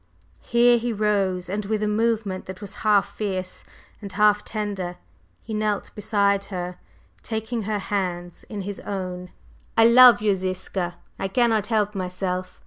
Here he rose, and with a movement that was half fierce and half tender, he knelt beside her, taking her hands in his own. "I love you, Ziska! I cannot help myself.